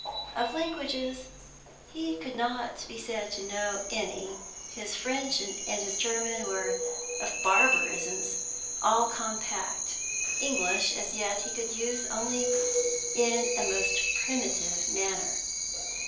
Of languages he could not be said to know any; his French and his German were of barbarisms all compact; English as yet he could use only in a most primitive manner.